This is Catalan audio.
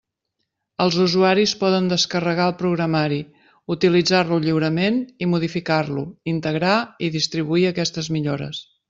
Els usuaris poden descarregar el programari, utilitzar-lo lliurement i modificar-lo, integrar i distribuir aquestes millores.